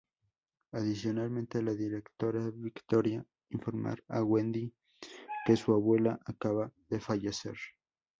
Adicionalmente la directora Victoria informar a Wendy que su abuela acaba de fallecer.